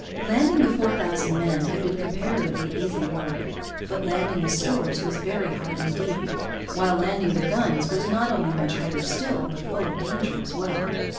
Landing the four thousand men had been comparatively easy work. But landing the stores was very hard indeed; while landing the guns was not only much harder still, but full of danger as well.